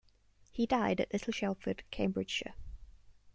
He died at Little Shelford, Cambridgeshire.